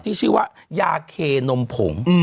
ที่ชื่อว่ายาเคนมผง